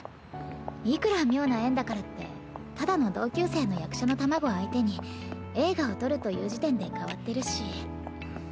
いくら妙な縁だからってただの同級生の役者の卵相手に映画を撮るという時点で変わってるし。